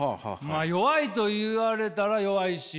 まあ「弱い」と言われたら弱いし。